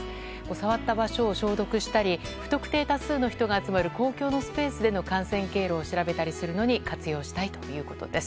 触った場所を消毒したり不特定多数の人が集まる公共のスペースでの感染経路を調べたりするのに活用したいということです。